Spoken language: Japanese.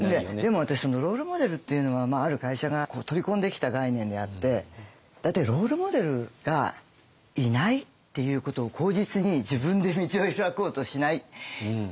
でも私その「ロールモデル」っていうのはある会社が取り込んできた概念であって大体ロールモデルがいないっていうことを口実に自分で道を開こうとしないっていうのが許せないと。